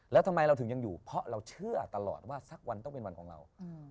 แล้วทำไมเราถึงยังอยู่เพราะเราเชื่อตลอดว่าสักวันต้องเป็นวันของเรา